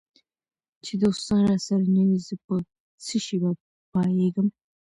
چي دوستان راسره نه وي زه په څشي به پایېږم